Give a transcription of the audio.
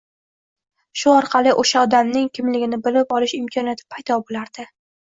Shu orqali oʻsha odamning kimligini bilib olish imkoniyati paydo boʻlardi.